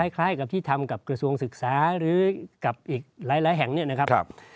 คล้ายกับที่ทำกับกระทรวงศึกษาหรือกับอีกหลายแห่งเนี่ยนะครับ